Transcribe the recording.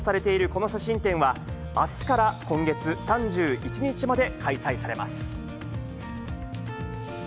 この写真展は、あすから今月３１日まで開催されます。